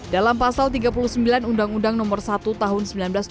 dalam pasal tiga puluh sembilan undang undang nomor satu tahun seribu sembilan ratus sembilan puluh